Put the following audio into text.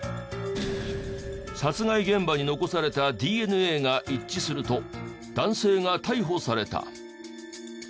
殺害現場に残されたＤＮＡが一致すると男性が逮捕された。